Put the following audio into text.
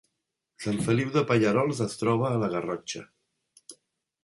Sant Feliu de Pallerols es troba a la Garrotxa